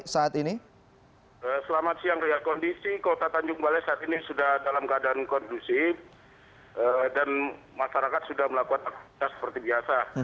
selamat siang ria kondisi kota tanjung balai saat ini sudah dalam keadaan kondusif dan masyarakat sudah melakukan aktivitas seperti biasa